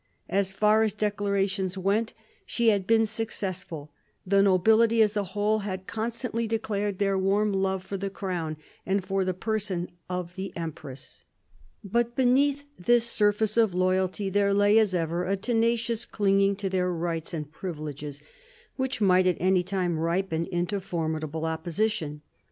As far as declarations went, she had been successful ; the nobility as a whole had constantly declared their warm love for the crown and for the person of the empress. But beneath this surface of loyalty there lay, as ever, a tenacious clinging to their rights and privileges, which might at any time ripen into formidable opposition.